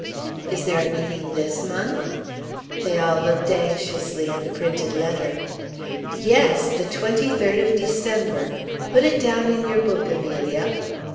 "Is there a meeting this month?" They all looked anxiously at the printed letter. "Yes! The twenty third of December. Put it down in your book, Amelia."